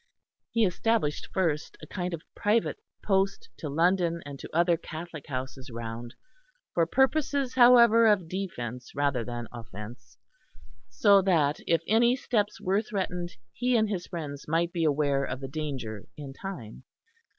He established first a kind of private post to London and to other Catholic houses round; for purposes however of defence rather than offence, so that if any steps were threatened, he and his friends might be aware of the danger in time.